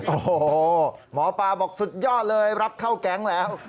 โอ้โหหมอปลาบอกสุดยอดเลยรับเข้าแก๊งแล้ว